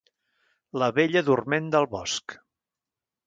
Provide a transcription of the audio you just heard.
La bella dorment del bosc.